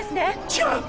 違う！